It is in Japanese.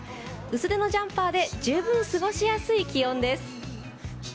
薄手にジャンパーで十分過ごしやすい気温です。